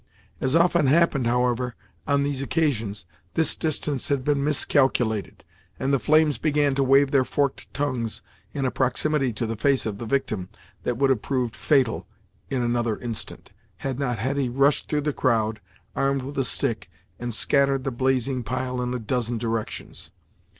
As often happened, however, on these occasions, this distance had been miscalculated, and the flames began to wave their forked tongues in a proximity to the face of the victim, that would have proved fatal, in another instant, had not Hetty rushed through the crowd, armed with a stick, and scattered the blazing pile in a dozen directions.